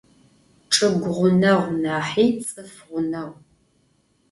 Çç'ıgu ğuneğu nahi ts'ıf ğuneğu.